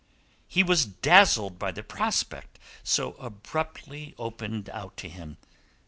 He was dazzled by the prospect so abruptly opened out to him.